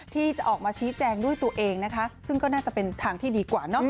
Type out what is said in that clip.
ที่จะออกมาชี้แจงด้วยตัวเองนะคะซึ่งก็น่าจะเป็นทางที่ดีกว่าเนอะ